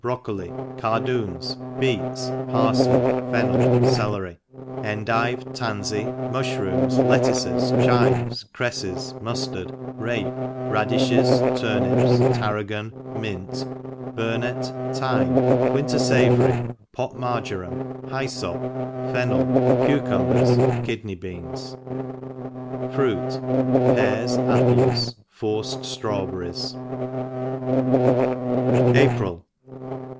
Tench Trout Craw iifti Brocoli Cardoons Beets Parfley Fennel Celery Endive Tanfey Mu(hroon)S Lettuces Chives CrelTes Muftard Rape Radifhes Turnips Tarragon Mint Burnet Thyme Winter Savory Pot Marjoram Hyfop Fennel Cucumbers Kidney Beans FRUIT. Apples ^ Forced Strawberries APRIL.